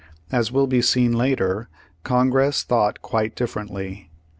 As will be seen later. Congress thought quite differently.